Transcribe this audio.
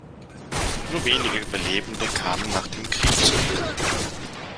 Nur wenige Überlebende kamen nach dem Krieg zurück.